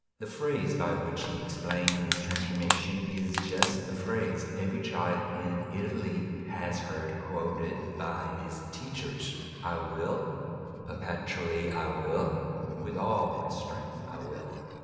The phrase by which he explained his transformation is just the phrase every child in Italy has heard quoted by his teachers: "I willed, perpetually I willed, with all my strength I willed."